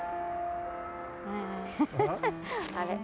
あれ。